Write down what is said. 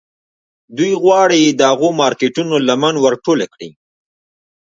دوی غواړي د هغو مارکیټونو لمن ور ټوله کړي